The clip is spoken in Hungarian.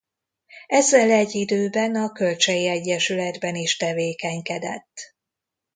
Ezzel egy időben a Kölcsey Egyesületben is tevékenykedett.